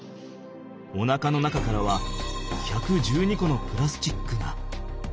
おなかの中からは１１２個のプラスチックが。